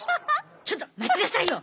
ちょっと待ちなさいよ！